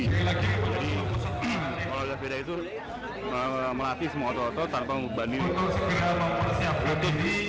jadi olahraga sepeda itu melatih semua otot otot tanpa membanding